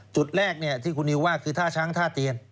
จุดแรกที่คุณนิวว่าคือท่าช้างท่าเตียน